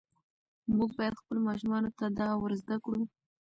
موږ باید خپلو ماشومانو ته دا ور زده کړو.